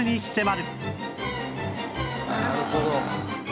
なるほど。